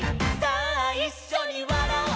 さあいっしょにわらおう」